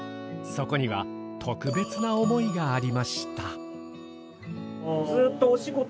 そこには特別な思いがありました。